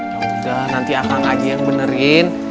ya udah nanti akang aja yang benerin